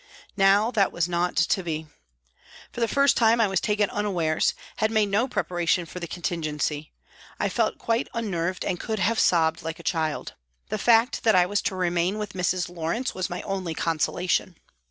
Now that was not to be. For the first time I was taken unawares, had made no preparation for the contingency ; I felt quite unnerved and could have sobbed like a child. The fact that I was to remain with Mrs. Lawrence was my only consolation.